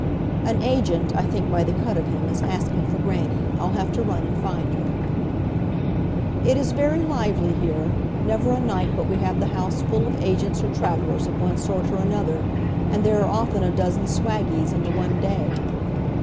(An agent, I think by the cut of him, is asking for grannie. I'll have to run and find her.) It is very lively here. Never a night but we have the house full of agents or travellers of one sort or another, and there are often a dozen swaggies in the one day.